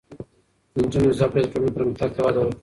د نجونو زده کړې د ټولنې پرمختګ ته وده ورکوي.